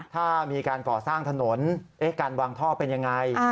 ถ้ามีการก่อสร้างถนนการวางท่อเป็นยังไง